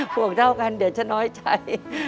ห่วงเท่ากันเดี๋ยวจะน้อยใจ